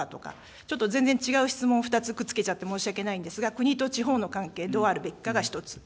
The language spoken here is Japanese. ちょっと全然違う質問を２つくっつけちゃって申し訳ないんですが、国と地方の関係どうあるべきかが１つ。